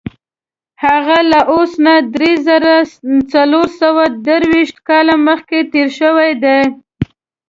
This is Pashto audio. هغه له اوس نه دری زره څلور سوه درویشت کاله مخکې تېر شوی دی.